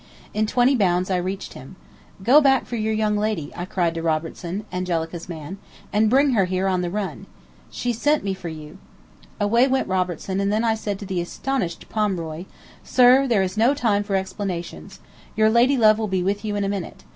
In twenty bounds I reached him. "Go back for your young lady," I cried to Robertson, Angelica's man, "and bring her here on the run. She sent me for you." Away went Robertson, and then I said to the astonished Pomeroy, "Sir, there is no time for explanations. Your lady love will be with you in a minute.